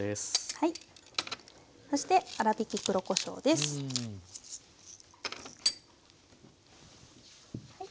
そして粗びき黒こしょうです。